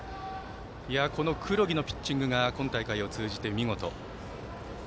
この黒木のピッチングが今大会を通じて見事。